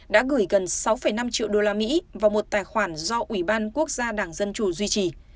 đã gửi gần sáu năm triệu đô la mỹ vào một tài khoản do ủy ban quốc gia đảng dân chủ duy trì